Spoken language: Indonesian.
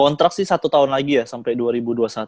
kontrak sih satu tahun lagi ya sampai dua ribu dua puluh satu